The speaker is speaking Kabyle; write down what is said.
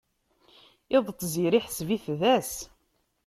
Iḍ n tziri, ḥseb-it d ass.